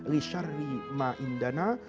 li sharri ma indanah